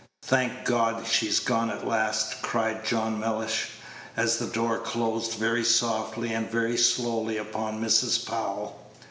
"Thank God, she's gone at last!" cried John Mellish, as the door closed very softly and very slowly upon Mrs. Powell.